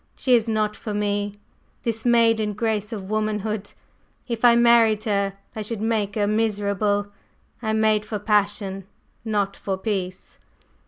"She is not for me, this maiden grace of womanhood. If I married her, I should make her miserable. I am made for passion, not for peace."